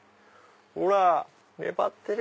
ほら！粘ってる！